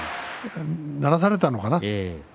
ならされたのかな。